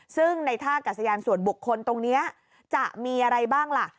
ซึ่งในท่ากัดสยานส่วนบุคคลตรงนี้จะมีอะไรบ้างล่ะ